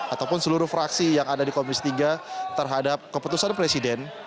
ataupun seluruh fraksi yang ada di komisi tiga terhadap keputusan presiden